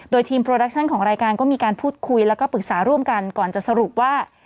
โดยทีมโปรดักชั่นของรายการก็มีการพูดคุยแล้วก็ปรึกษาร่วมกันก่อนจะสรุปว่า